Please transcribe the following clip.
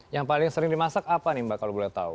yang paling sering dimasak apa nih mbak kalau boleh tahu